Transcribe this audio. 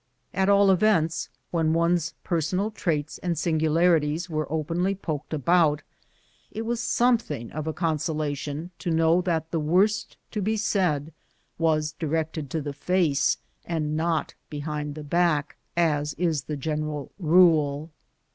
At all events, when one's personal traits and singularities were openly joked about, it was something of a consolation to know that the worst to be said was directed to the face and not behind the back, as is the general rule.